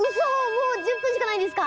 もう１０分しかないんですか？